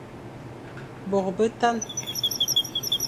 Bô betan,